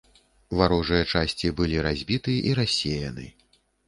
Варожыя часці былі разбіты і рассеяны.